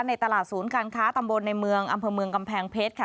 ในตลาดศูนย์การค้าตำบลในเมืองอำเภอเมืองกำแพงเพชรค่ะ